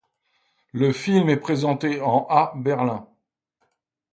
Le film est présenté en à Berlin.